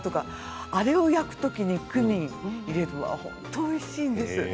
あれを焼くときにクミンを入れると本当においしいんです。